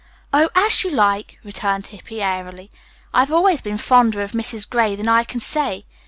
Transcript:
"Oh, as you like," returned Hippy airily. "I have always been fonder of Mrs. Gray than I can say."